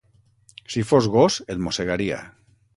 Si fos gos et mossegaria.